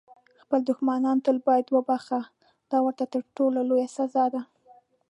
خپل دښمنان تل باید وبخښه، دا ورته تر ټولو لویه سزا ده.